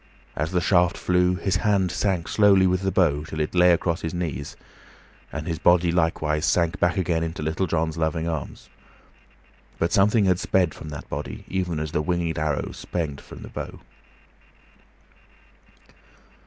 As the shaft flew, his hand sank slowly with the bow till it lay across his knees, and his body likewise sank back again into Little John's loving arms; but something had sped from that body, even as the winged arrow sped from the bow.